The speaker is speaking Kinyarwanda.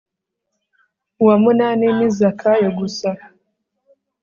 uwa munani ni zakayo gusa